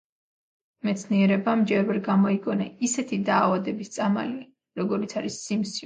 მეცნიერებამ ჯერ ვერ გამოიგონა ისეთი დაავადების წამალი, როგორიც არის სიმსივნე.